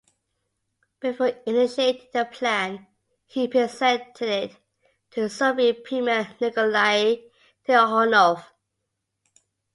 Before initiating the plan, he presented it to Soviet Premier Nikolai Tikhonov.